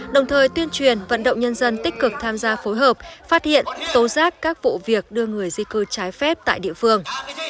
đồng thời tuyên truyền vận động nhân dân tích cực tham gia phối hợp phát hiện tố giác các vụ việc đưa người di cư trái phép tại địa phương